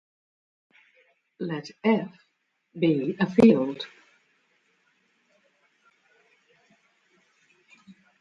Let "F" be a field.